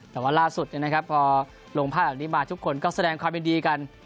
แต่ว่าล่าสุดพอลงภาพแบบนี้มาทุกคนก็แสดงความยินดีกัน